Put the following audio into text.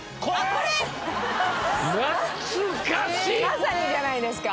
まさにじゃないですか？